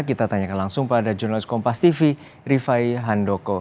kita tanyakan langsung pada jurnalis kompas tv rifai handoko